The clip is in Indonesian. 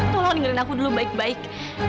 tolong dengerin aku dulu baik baik